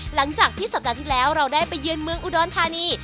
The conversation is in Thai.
หลังจากที่สัปดาห์ที่แล้วเราได้ไปเยือนเมืองอุดรธานี